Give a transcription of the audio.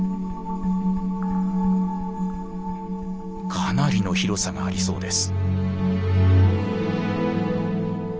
かなりの広さがありそうです。